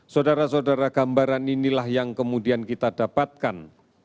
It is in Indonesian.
saudara saudara gambaran inilah yang kemudian kita dapatkan